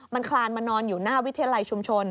มันคลานมานอนอยู่หน้าวิทยาลัยชุมชน